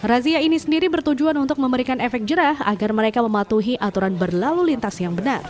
razia ini sendiri bertujuan untuk memberikan efek jerah agar mereka mematuhi aturan berlalu lintas yang benar